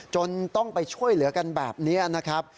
จนต้องไปช่วยเหลือกันแบบนี้นะครับ